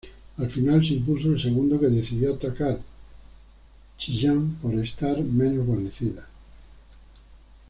Al final se impuso el segundo que decidió atacar Chillán por estar menos guarnecida.